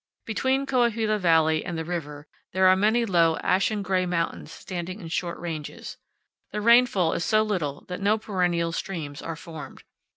Between Coahuila Valley and the river there are many low, ashen gray mountains standing in short ranges. The rainfall is so little that no perennial streams are formed.